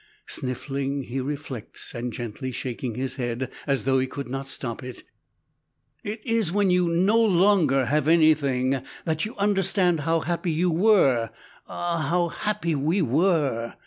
Sniffling he reflects, and gently shaking his head as though he could not stop it: "It is when you no longer have anything that you understand how happy you were. Ah, how happy we were!"